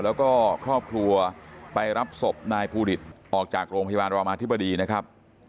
แล้วก็ครอบครัวไปรับศพนายภูริตออกจากโรงพยาบาลรามาธิบดีนะครับ